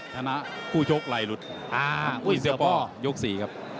ชนะคู่โชคไหลหลุดอ่าอุ้ยเสี่ยวป่อยกสี่ครับ